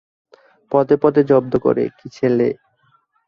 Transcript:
পদে পদে জব্দ করে, কী ছেলে।